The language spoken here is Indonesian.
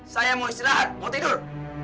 saya mau istirahat mau tidur